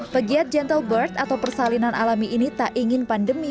pegiat gentle bird atau persalinan alami ini tak ingin pandemi